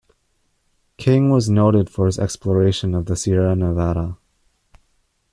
King was noted for his exploration of the Sierra Nevada.